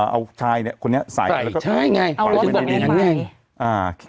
เอาชายเนี่ยคนเนี้ยใส่ใช่ไงเอารถบอกไงอ่า